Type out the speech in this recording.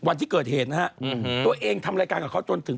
วันที่เกิดเหตุนะฮะตัวเองทำรายการกับเขาจนถึง